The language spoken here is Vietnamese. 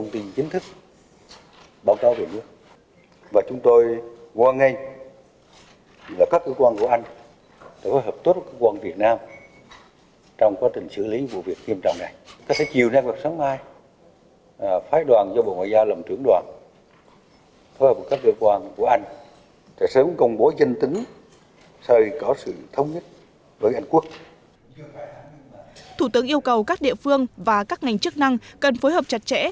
thủ tướng yêu cầu các địa phương và các ngành chức năng cần phối hợp chặt chẽ